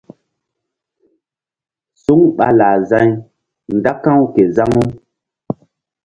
Suŋ ɓa lah za̧y nda ka̧w ke zaŋu.